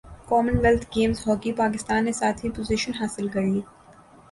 common wealth games hockey Pakistan نے ساتویں position حاصل کر لی